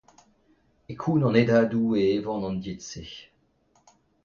E koun an hendadoù e evan an died-se.